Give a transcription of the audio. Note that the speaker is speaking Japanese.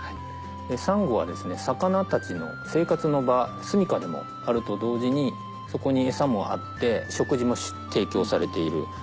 サンゴは魚たちの生活の場すみかでもあると同時にそこに餌もあって食事も提供されている。